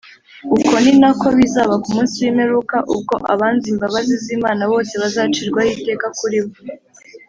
uko ni nako bizaba ku munsi w’imperuka, ubwo abanze imbabazi z’imana bose bazacirwaho iteka kuri bo,